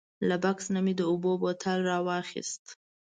له بکس نه مې د اوبو بوتل راواخیست.